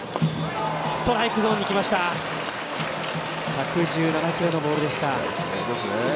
１１７キロのボールでした。